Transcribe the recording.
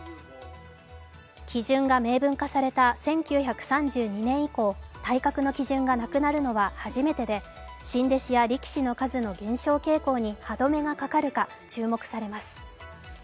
基準が明文化された１９３２年以降、体格の基準がなくなるのは初めてで新弟子や力士の数の減少傾向に歯止めがかかるか注目されます。